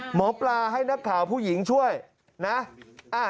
หมอปลาให้นักข่าวผู้หญิงช่วยนะ